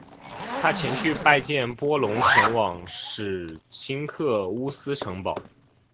他前去拜见波隆前往史铎克渥斯城堡。